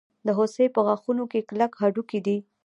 د هوسۍ په غاښونو کې کلک هډوکی دی.